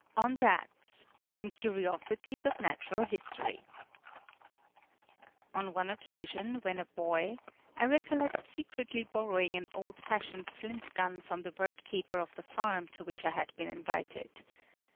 ON RATS From 'Curiosities of Natural History' On one occasion, when a boy, I recollect secretly borrowing an old fashioned flint gun from the bird keeper of the farm to which I had been invited.